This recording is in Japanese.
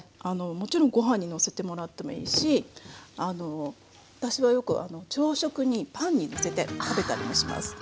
もちろんご飯にのせてもらってもいいし私はよく朝食にパンにのせて食べたりもします。